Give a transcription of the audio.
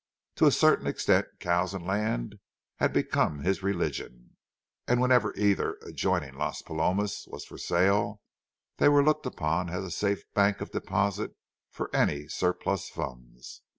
To a certain extent, cows and land had become his religion, and whenever either, adjoining Las Palomas, was for sale, they were looked upon as a safe bank of deposit for any surplus funds.